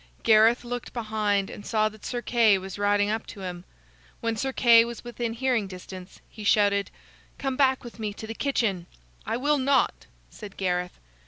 Gareth looked behind and saw that Sir Kay was riding up to him. When Sir Kay was within hearing distance, he shouted: "Come back with me to the kitchen." "I will not," said Gareth.